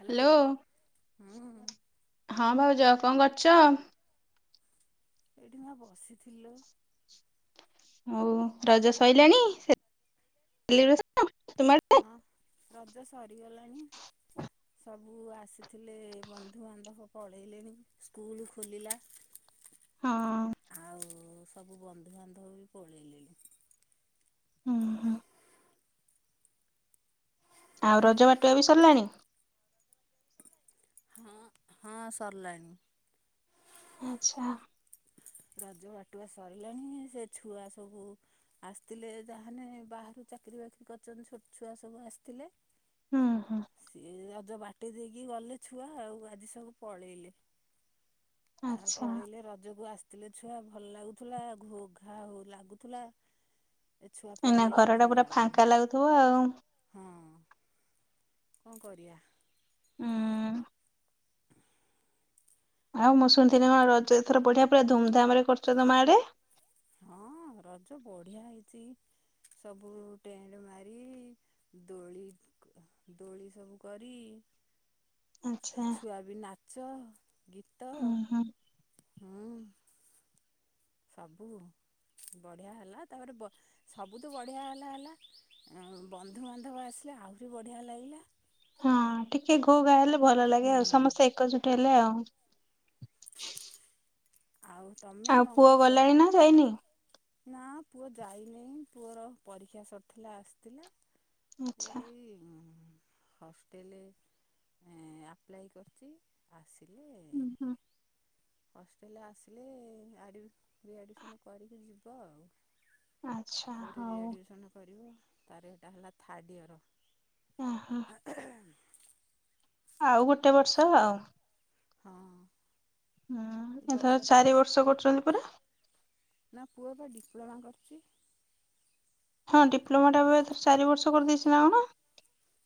Hello hello ହଁ। ହଁ ଭାଉଜ କଣ କରୁଚ? ଏଇଠିି ମୁଁ ବସିଥିଲି ଲୋ। ଆଉ ରଜ ସଇଲାଣି ସେ-ସେଲିବ୍ରେସ ତୁମେ ଆଡ଼େ? ହଁ ରଜ ସରିଗଲାଣି। ସବୁ ଆସିଥିଲେ ବନ୍ଧୁବାନ୍ଧବ ପଳେଇଲେଣି ସ୍କୁଲୁ ଖୋଲିଲା। ହଁ ଆଉ ସବୁ ବନ୍ଧୁବାନ୍ଧବ ବି ପଳେଇଲେଣି। ଅ ହଁ। ଆଉ ରଜ ବାଟୁଆ ବି ସରିଲାଣି? ହଁ ହଁ ସରଲାଣିି। ଆଛା। ରଜ ବାଟୁଆ ସରିଲାଣି ସେ ଛୁଆ ସବୁ ଆସଥିଲେ ଯାହେନେ ବାହାରୁ ଚାକିରୀ ବାକିରି କରିଚନ୍ତି ଛୋଟ ଛୁଆ ସବୁ ଆସିଥିଲେ। ହୁଁ ହୁଁ ସିଏ ରଜ ବାଟେଇ ଦେଇକି ଗଲେ ଛୁଆ ଆଉ ଆଜି ସବୁ ପଳେଇଲେ। ଆ ଆଚ୍ଛା ପଳେଇଲେ ରଜକୁ ଆସଥିଲେ ଛୁଆ ଭଲ ଲାଗୁଥିଲା ଘୋ ଘା ଲାଗୁଥିଲା। ଏ ଛୁଆ ଏଇନା ପଳେଇଲେ ଘର ଟା ଭଲ ପୁରା ଲାଗୁନି ଫାଙ୍କା ଲାଗୁଥିବ ଆଉ ହଁ। କଣ କରିବା। ଉଁ। ଆଉ ମୁଁ ଶୁଣିଥିନି କଣ ରଜ ଏଥର ବଢିଆ ପୁରା ଧୁମଧାମରେ କରୁଚ ତମ ମା ଆଡେ। ହଁ ରଜ ବଢିଆ ହେଇଚି ସବୁ ଟେଣ୍ଟ ମାରି ଦୋଳି କ ଅ ଦୋଳି ସବୁ କରି ଆଚ୍ଛା ଛୁଆ ବି ନାଚ, ଗୀତ ହୁଁ ହୁଁ ହୁଁ। ସବୁ ବଢିଆ ହେଲା ତାପରେ ବ ସବୁତୁ ବଢ଼ିଆ ହେଲା ହେଲା ଏଁ ବନ୍ଧୁବାନ୍ଧବ ଆସିଲେ ଆହୁରି ବଢ଼ିଆ ଲାଗିଲା। ହଁ ଟିକେ ଘୋ ଘା ହେଲେ ଭଲ ଲାଗେ ଆଉ ହୁଁ। ସମସ୍ତେ ଏକଜୁଟ ହେଲେ ଆଉ। ଆଉ ତମେ ଆଉ କଣ ପୁଅ କରୁଚ? ଗଲାଣି ନା ଯାଇନି? ନା ପୁଅ ଯାଇନେଇଁ ପୁଅର ପରୀକ୍ଷା ସରିଥିଲା ଆସିଥିଲା। ଆଚ୍ଛା ପୁଅର ଏଇ ଉଁ ହଷ୍ଟେଲେ ଆପ୍ଲାଏ କରିଛି। ଆସିଲେ ହୁଁ ହୁଁ ହଷ୍ଟେଲେ ଆସିଲେ ଆଡ଼ିବ ରି ଆଡିମିସନ୍ କରିକି ଯିବ ଆଉ। ଆଚ୍ଛା ତାପରେ ରି ହଉ ଆଡିମିସନ କରିବ। ତାର ଏଇଟା ହେଲା ଥାର୍ଡ଼ ଇୟର। ଓହୋ ଆଉ ଗୋଟେ ବର୍ଷ ଆଉ। ହଁ ହୁଁ ଏଥର ବର୍ଷଟା ଚାରି କଷ ବର୍ଷ କରୁଛନ୍ତି ପରା ନା ପୁଅ ବା ଡିପ୍ଲୋମା କରୁଚି। ହଁ ଡିପ୍ଲୋମା ଟା ଏବେ ଚାରି ବର୍ଷ କରିଦେଇଛି ନା କଣ?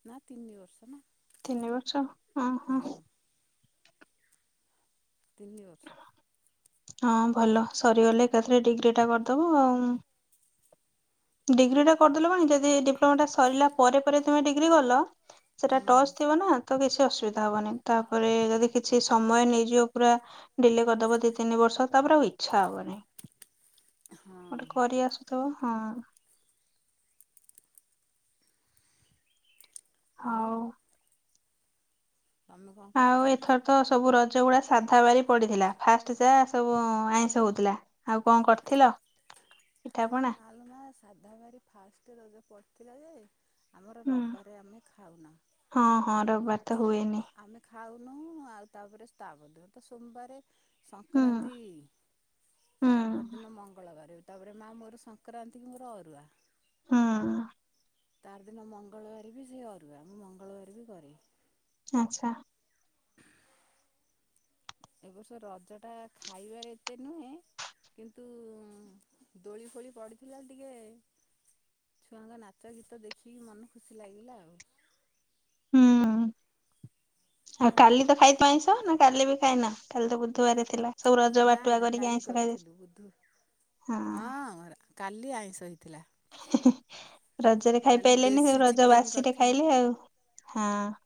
ନା ତିନି ବର୍ଷ ନା ତିନି ବର୍ଷ ଉଁ ହୁଁ ହଁ ତିନି ବର୍ଷ ହଁ ଭଲ ସରିଗଲେ ଏକାଥରେ ଡିଗ୍ରୀ ଟା କରିଦବ ଆଉ। ଡିଗ୍ରୀ ଟା କରିଦେଲ କଣ କି ଯଦି ଡିପ୍ଲୋମା ଟା ସରିଲା ପରେ ପରେ ତୁମେ ଡିଗ୍ରୀ କଲ ସେଟା ହୁଁ ଟଚ ଥିବ ନା ତ କିଛି ଅସୁବିଧା ହବନି ତାପରେ ଯଦି କିଛି ସମୟ ନେଇଯିବ ପୁରା ଡିଲେ କରିଦବ ଦି ତିନି ବର୍ଷ ତାପରେ ଆଉ ଇଚ୍ଛା ହବନି। ହଁ ଗୋଟେ କରି ଆସୁଥିବ ହଁ। ଆଉ ହଉ। ତମେ କଣ ଆଉ କରୁଚ? ଏଥର ତ ସବୁ ରଜ ଉଡା ସାଧା ବାରି ପଡିଥିଲା ଫାଷ୍ଟ ଯାହା ସବୁ ଆଇଁଷ ହୋଉଥିଲା। ଆଉ କଣ କରିଥିଲ ପିଠା ପଣା ଆଲୋ ମା ସାଧାବାରି ଫାଷ୍ଟ ରଜ ପଡ଼ିଥିଲା ଯେ ଆମର ହୁଁ ରବବାରେ ଆମେ ଖାଉନା ହଁ ହଁ ରବବାର ତ ହୁଏନି ଆମେ ଖାଉନୁ ଆଉ ତାପରେ ତା ତାପର ଦୀନ ତ ସୋମବାରେ ହୁଁ ସଂକ୍ରାନ୍ତି ହୁଁ ତା ପର ଦିନ ମଙ୍ଗଳବାରେ ତା ପରେ ମା ମୋର ସଂକ୍ରାନ୍ତି କୁ ମୋର ଅରୁଆ। ହଁ। ତାର ଦିନ ମଙ୍ଗଳବାରେ ବି ସେଇ ଅରୁଆ ମୁଁ ମଙ୍ଗଳବାରେ ବି କରେ। ଆଛା [inaudible] ଏ ବର୍ଷ ରଜ ଟା ଖାଇବାରେ ଏତେ ନୁହେଁ। କିନ୍ତୁ ଦୋଳି ଫୋଳି ପଡ଼ିଥିଲା ଟିକେ ଛୁଆଙ୍କ ନାଚ ଗୀତ ଦେଖିକି ମନ ଖୁସି ଲାଗିଲା ଆଉ ହୁଁ। ଆଉ କାଲି ତ ଖାଇଥିବ ଆଇଁସ ନା କାଲି ବି ଖାଇନ କାଲି ତ ବୁଧବାର ଥିଲା। ସବୁ ରଜ ନା ବାଟୁଆ ନା କରିକି କାଲି ଆଇଁଷ ଖାଇ କରିଥିଲୁ ବୁଧୁ ହଁ। କାଲି ଆଇଁଷ ହୋଇଥିଲା। ହି ହି ରଜରେ ଖାଇପାଇଲେନି ଦେଶୀ ରଜ ଚିକେନ୍ ବାସିରେ କରିଥିଲୁ ଖାଇଲେ ଆଉ ହଁ।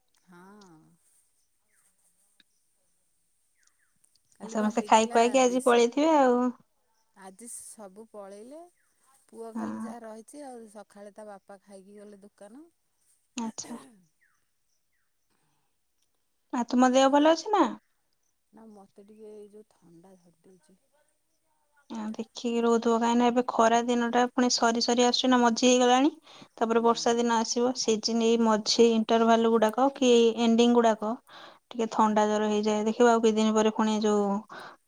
ହଁ। କାଲି ବା ସମସ୍ତେ ଖାଇ ହେଇଥିଲା ଖୁଆଇକି ଆଜି ଦେଶୀ ପଳେଇଥିବେ ଆଉ ଆଜି ସବୁ ପଳେଇଲେ ପୁଅ ହଁ ଖାଲି ଯାହା ରହିଛି ଆଉ ସ ଖାଳେ ତା ବାପା ଖାଇକି ଗଲେ ଦୋକାନ। ଆଛା ଆ ତୁମ ଦେହ ଭଲ ଅଛି ନା? ନା ମତେ ଟିକେ ଏଇ ଯୋଉ ଥଣ୍ଡା ଧରିଦେଇଛି। ଆଁ ଦେଖିକି ରହୁଥିବ କାହିଁକିନା ଏବେ ଖରା ଦିନ ଟା ପୁଣି ସରି ସରି ଆସୁଛି ନା ମଜି ହେଇଗଲାଣି? ତାପରେ ବର୍ଷା ଦିନ ଆସିବ ସେଇ ନି ଏଇ ମଝି ଇଣ୍ଟରଭାଲ ଉଡାକ କି ଏଣ୍ଡିଙ୍ଗ ଗୁଡାକ ଟିକେ ଥଣ୍ଡା ଜର ହେଇଯାଏ। ଦେଖିବ ଆଉ କିଛି ଦିନ ପରେ ପୁଣି ଯୋଉ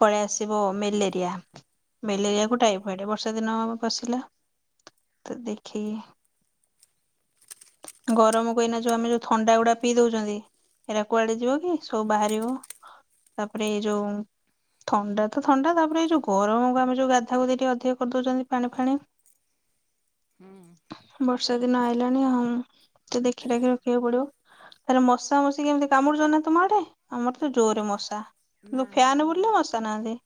ପଳେ ଆସିବ ମେଲେରିଆ। ହୁଁ ମ୍ୟାଲେରିଆକୁ ଟାଇପ ଅବେ ବର୍ଷା ଦିନ ଆମ ପସିଲା ତ ଦେଖିକି ଗରମ କୁ ଏଇନା ଯୋଉ ଆମେ ଯୋଉ ଥଣ୍ଡା ଗୁଡା ପିଇ ଦଉଛନ୍ତି। ଏରା କୁଆଡେ ଯିବ କି ସବୁ ବାହାରିବ। ତାପରେ ଏ ଯୋଉ ଥଣ୍ଡା ତ ଥଣ୍ଡା ତାପରେ ଏ ଯୋଉ ଗର ରମ ଆମେ ଯୋଉ ଗାଧା ଗୁଧି ଅଧିକ କରି ଦଉଛନ୍ତି ପାଣି ଫାଣି ହୁଁ। ବର୍ଷା ଦିନ ଆଇଲାଣି ଦେଖିଟାଖି ରଖିବାକୁ ପଡିବ। ତାପରେ ମଶା ମଶି କେମିତି କମୁଛତି ତମ ଆଡେ ଆମର ତ ନା ଜୋରରେ ମଶା ନା କିନ୍ତୁ ମା ଫ୍ୟାନ୍ ଆମ ବୁଲିଲେ ମଶା ନାହାନ୍ତି।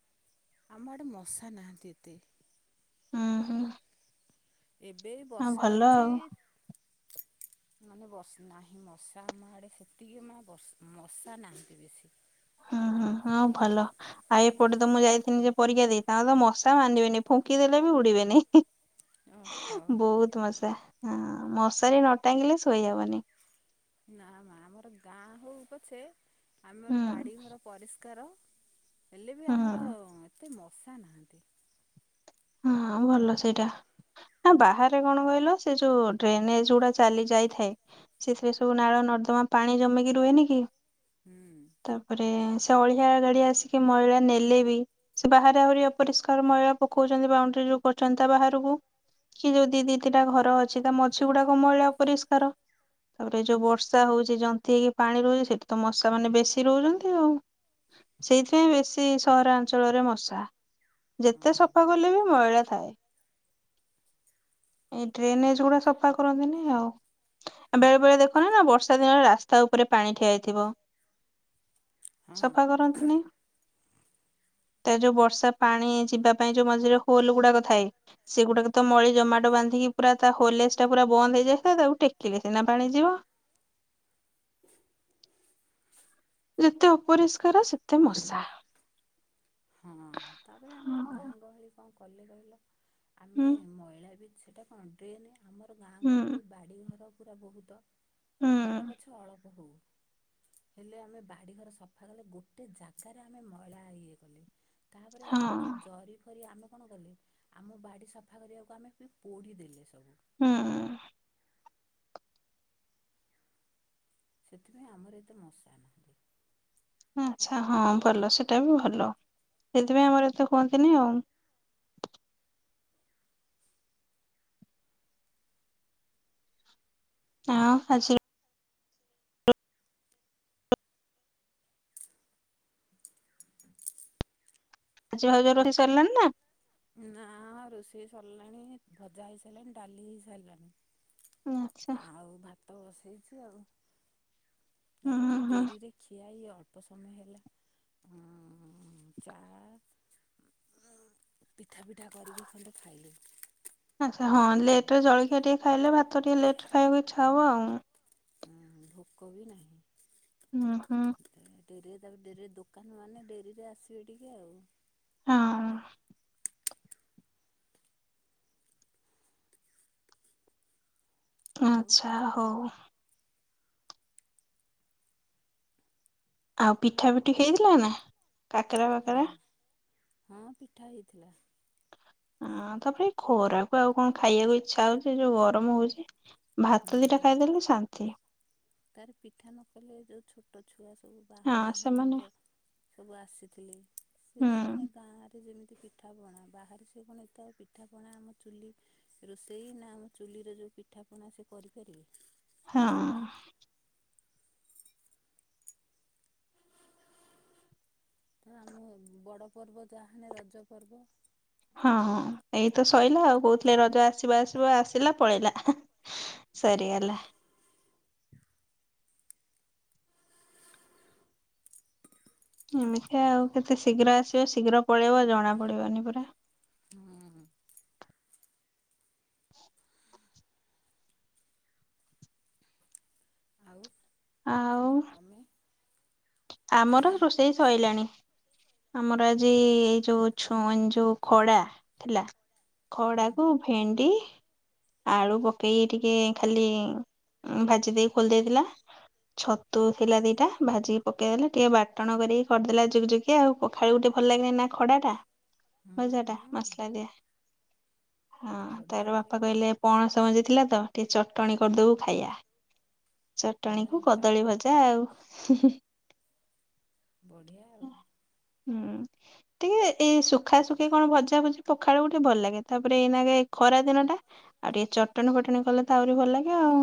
ଆମ ଆଡ଼େ ମଶା ନାହାନ୍ତି ଏତେ। ହଁ ହୁଁ। ଏବେ ଆଉ ବର୍ଷା ଭଲ ହେଉଛି, ଆଉ [unintelligible] ମାନେ ବ [unintelligible] ନାହିଁ ମଶା ଆମ ଆଡ଼େ ସେତିକି ମା ବ [unintelligible] ମଶା ନାହାନ୍ତି ବେଶୀ। ହୁଁ ହୁଁ ହଁ ଭଲ। ଆଇ ଏପଟେ ତ ମୁଁ ଯାଇଥିଲି ଯେ ପରୀକ୍ଷା ଦେଇ ତାଙ୍କ ତ ମଶା ମାନିବେନି ଫୁଙ୍କିଦେଲେ ବି ଉଡିବେନି। ଓହୋ ବହୁତ ମଶା ହଁ ମଶାରୀ ନ ଟାଙ୍ଗିଲେ ଶୋଇହବନି। ନା ମା ଆମର ଗାଁ ହଉ ପଛେ ହୁଁ ଆମର ବାଡି ଘର ପରିଷ୍କାର ହେଲେ ବି ଆମର ହୁଁ। ଏତେ ମଶା ନାହାଁନ୍ତି। ହଁ ଭଲ ସେଇଟା। ନା ବାହାରେ କଣ କହିଲ ସେ ଯୋଉ ଡ୍ରେନେଜ ଗୁଡା ଚାଲି ଯାଇଥାଏ ସେଥିରେ ସବୁ ନାଳ ନର୍ଦ୍ଦମା ପାଣି ଜମକି ରୁହେନି କି ହୁଁ ତାପରେ ସ୍ ଅଳିଆ ଗାଡି ଆସିକି ମହିଳା ନେଲେ ବି ସେ ବାହାରେ ଆହୁରି ଅପରିଷ୍କାର ମହିଳା ପକୁ କହୁଛନ୍ତି ବାଉଣ୍ଡରି ଯୋଉ କରୁଛନ୍ତି ତା ବାହାରକୁ କି ଯଦି ଦି ଦି ଟା ଘର ଅଛି ତା ମଝି ଗୁଡାକ ମଇଳି ଅପରିଷ୍କାର, ତାପରେ ଯେଉଁ ବର୍ଷା ହେଉଛି ଜନ୍ତି ହେଇକି ପାଣି ରହୁଛି ସେଇଠି ତ ମଶା ମାନେ ବେଶୀ ରହୁଛନ୍ତି ଆଉ। ସେଇଥିପାଇଁ ବେଶୀ ସହରାଞ୍ଚଳରେ ମଶା ଯେତେ ହଁ। ସଫା କଲେ ବି ମଇଳା ଥାଏ। ଏଇ ଡ୍ରେନେଜ ଗୁଡା ସଫା କରନ୍ତିନି ଆଉ, ବେଳେ ବେଳେ ଦେଖନ ନା ବର୍ଷା ଦିନରେ ରାସ୍ତା ଉପରେ ପାଣି ଠିଆ ହୋଇଥିବ। ହଁ ସଫା କରନ୍ତିନି, ତା ଯୋଉ ବର୍ଷା ପାଣି ଯିବା ପାଇଁ ଯୋଉ ମଝିରେ ହୋଲ ଗୁଡାକ ଥାଏ, ସେଗୁଡାକ ତ ମଳି ଜମା ଟବାନ୍ଧିକି ପୁରା ତାହୋଲେସଟା ପୁରା ବନ୍ଦ ହେଇଯାଇଥିଲା ତାକୁ ଟେକିଲେ ସିନା ପାଣି ଯିବ। ଯେତେ ଅପରିଷ୍କାର ସେତେ ହଁ ମଶାହ ତାପରେ ଆମର ଗାଁ ଗହଳି କଣ କଲେ କହିଲ ଆମେ ହୁଁ ମହିଳା ବି ସେଟା କଣ ଡେରେନ ଆମର ଗାଁ ହୁଁ ଗହଳି, ବାଡ଼ିଘର ପୁରା ବହୁତ ହୁଁ ଘର ପଛ ଅଳପ ହଉ ହେଲେ ଆମେ ବାଡ଼ିଘର ସଫା କଲେ ଗୋଟେ ଜାଗାରେ ଆମେ ମଇଳା ଇଏ କଲେ, ତାପରେ ହଁ ଆମର ଯୋଉ ଜରି କରି ଆମେ କଣ କଲେ ଆମ ବାଡି ସଫା କରିବାକୁ ଆମେ ପୋଢି ଦେଲେ ସବୁ। ହୁଁ। ସେଥିପାଇଁ ଆମର ଏତେ ମଶା ନାହାନ୍ତି। ଆଚ୍ଛା ହଁ ଭଲ ସେଇଟା ବି ଭଲ ସେଥିପାଇଁ ଆମର ଏତେ କୁହନ୍ତିନି ଆଉ। ହଁ ଆଜି [unintelligible] ଭାଉଜ ସରିଲାଣି ନା ନା ରୋଷେଇ ସରିଲାଣି ଭଜା ହେଇ ସାରିଲାଣି ଡାଲି ହେଇ ଆଚ୍ଛା ସାରିଲାଣି। ଆଉ ଭାତ ବସେଇଛୁ ଆଉ। ହୁଁ ଆରେ ଟି ହୁଁ ଡେରିରେ, ଖିଆ ଇ ଅଳ୍ପ ସମୟ ହେଲା ଚା ହଁ ପିଠା ପିଠା କରିକି ଖଣ୍ଡେ ଖାଇଲୁ। ଆଚ୍ଛା ହଁ ଲେଟରେ ଜଳଖିଆ ଟିକେ ଖାଇଲେ ଭାତ ଟିକେ ଲେଟରେ ଖାଇକୁ ଇଚ୍ଛା ହବ ଆଉ। ଉଁ ଭୋକ ବି ନାହିଁ। ଉଁ ହୁଁ। ଡେରିରେ ତା ଡେରିରେ ଦୋକାନ ମାନେ ଡେରିରେ ଆସିବେ ଟିକେ ଆଉ। ହଁ। ଆଉ ଆଚ୍ଛା ହଉ। ଆଉ ପିଠା ପିଠି ହେଇଥିଲା ନା କାକରା ହଁ ଫାକେରା? ହଁ ପିଠା ହେଇଥିଲା। ହଁ ତାପରେ ଖରାକୁ ଆଉ କଣ ଖାଇବାକୁ ଇଚ୍ଛା ହଉଛି ଯୋଉ ଗରମ ହଉଛି। ଭାତ ଦିଟା ହୁଁ ଖାଇଦେଲେ ଶାନ୍ତି। ତାର ପିଠା ନକଲେ ଯେଉଁ ଛୋଟ ଛୁଆ ସବୁ ବା ହଁ ସେମାନେ ବାହାନେବ ସବୁ ଆସିଥିଲି ସେ ହୁଁ ଜାହେନେ ଗାଁ ରେ ଯେମିତି କିଛି ପିଠାପଣା ବାହାରେ ସେ କଣ ଏତେ ଆଉ ପିଠାପଣା ଆମ ଚୁଲି ରୋଷେଇ ନା ଆମ ଚୁଲିର ଯୋଉ ପିଠାପଣା ସେ କରିପାରିବେ। ହଁ। ତ ଆମ ବଡ଼ ପର୍ବ ଯାହା ହେନେ ରଜ ପର୍ବ। ହଁ ହଁ ଏଇତ ସଇଲା ଆଉ କହୁଥିଲେ ରଜ ଆସିବ ଆସିବ ଆସିଲା ପଳେଇଲା। ସରିଗଲା। ଏମିତି ଆଉ କେତେ ଶୀଘ୍ର ଆସିବ ଶୀଘ୍ର ପଳେଇବ ଜଣା ପଡିବନି ପରା ଉଁ ଆଉ ଆଉ ତମେ ଆମର ରୋଷେଇ ସରିଲାଣି। ଆମର ଆଜି ଯୋଉ ଛ ଯୋଉ ଖଡା ଥିଲା। ହୁଁ ଖଡାକୁ ଭେଣ୍ଡି ଆଳୁ ପକେଇକି ଟିକେ ଖାଲି ଭାଜି ଦେଇ ଖୋଲି ଦେଇେଇଥିଲା। ଛତୁ ଥିଲା ଦିଟା ଭାଜି ପକେଇଦେଲେ ଟିକେ ବାଟଣ କରିକି କରିଦେଲା ଜୁକୁଜୁକିଆ ଆଉ ପ ଖାଇବୁ ଟିକେ ଭଲ ଲାଗେନି ନା ଖଡ଼ାଟା। ହୁଁ ଭଜାଟା ହୁଁ ମସଲା ଦିଆ। ହଁ ବଢ଼ିଆ ତାର ଲାଗେ ବାପା ନା କହିଲେ ପଣସ ମଞ୍ଜି ଥିଲା ତ ଟିକେ ଚଟଣି କରିଦବୁ ଖାଇବା। ଚଟଣୀକୁ ହୁଁ ଚ କଦଳୀ ଭଜା ଆଉ। ବଢ଼ିଆ ଆଉ। ହୁଁ। ଟିକେ ଏଇ ସୁଖା ଶୁଖି କଣ ଭଜା ଭୁଜି ପଖାଳକୁ ଟିକେ ଭଲ ଲାଗେ ତାପରେ ଏଇ ନାକେ ଖରା ଦିନଟା ଆଉ ଟିକେ ଚଟଣି ଫଟଣି କଲେ ଆହୁରି ଭଲ ଲାଗେ ଆଉ।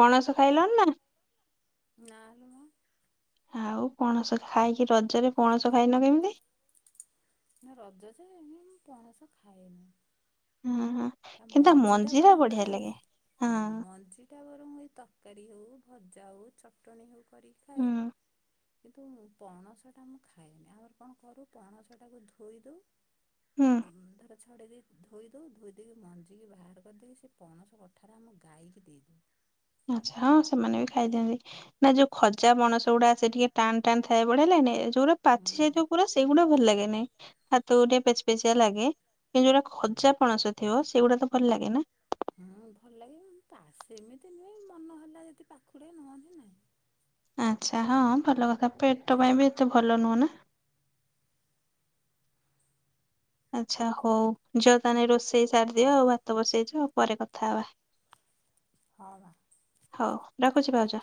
ପଣସ ଖାଇଲଣି ନା। ନାଲୋ ମାଆ। ଆଉ ପଣସ ଖାଇକି ରଜରେ ପଣସ ଖାଇନ କେମିତି। ନା ରଜ ଯେ ଏମ ମୁଁ ପଣସ ଖାଏନି। ହଁ ହଁ। ତା କିନ୍ତୁ ମଞ୍ଜି ଟା ମଞ୍ଜିରା ବରଂ ବଢିଆ ଖାଏ ଲାଗେ ହଁ ମଞ୍ଜି ଏଟା ବର ମୁଁ ଏଇ ତରକାରୀ ହେଉ ଭଜା ହେଉ ଚଟଣି ହେଉ କରିକି ହୁଁ ଖାଏ। କିନ୍ତୁ ପଣସଟା ମୁଁ ଖାଏନି ଆମର କଣ କରୁ ପଣସଟାକୁ ଧୋଇଦଉ ହୁଁ ଧର ଛଡ଼େଇ ଦେଇ ଧୋଇ ଦେଉ ଧୋଇ ଦେଇକି ମଞ୍ଜିିକି ବାହାର କରିଦେଇକି ସେ ପଣସ କଠାରା ଆମ ଗାଈକି ଦେଇଦଉ। ଆଚ୍ଛା ହଁ ସେମାନେ ବି ଖାଇ ଦିଅନ୍ତି। ନା ଯୋଉ ଖଜା ପଣସ ଗୁଡା ଆ ସେ ଟିକେ ଟା ଟାଣ ଟାଣ ଥାଏ ବଢ଼ିଆ ଲାଗେନି ଯୋଉଗୁରା ପାଚି ହୁଁ। ଯାଇଥାଏ ପୁରା ସେଇଗୁଡା ଭଲ ଲାଗେନାଇଁ। ହାତ ଗୋଟେ ପେଚିପେଚିଆ ଲାଗେ କିନ୍ତୁ ଯୋଉଟା ଖଜା ପଣସ ଥିବ ସେଗୁଡା ତ ଭଲ ଲାଗେ ନା। ହୁଁ ଭଲ ଲାଗିବ ସେମିତି ନୁହେଁ ମନ ହେଲା ଯଦି ପାଖୁଡେ ନହନେ ନାହିଁ। ଆଚ୍ଛା ହଁ ଭଲ କଥା ପେଟ ପାଇଁ ବି ଏତେ ଭଲ ନୁହଁ ନା। ଆଚ୍ଛା ହୋଉ ଯାଅ ତାହେଲେ ରୋଷେଇ ସାରିଦିଅ ହଉ ଆଉ ଭାତ ବସେଇଚ ପରେ କଥା ହବା। ହଁ ବା। ହୋଉ ରଖୁଚି ଭାଉଜ।